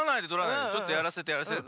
ちょっとやらせてやらせて。